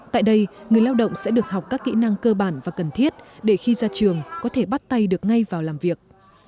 tại đây người lao động sẽ được học các kỹ năng cơ bản và cần thiết để khi ra trường có thể bắt tay được ngay vào làm việc